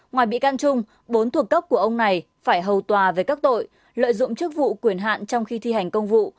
ngoài bị can trung bốn thuộc cấp của ông này phải hầu tòa về các tội lợi dụng chức vụ quyền hạn trong khi thi hành công vụ